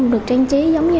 được trang trí giống như